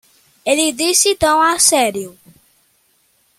Ele disse tão a sério.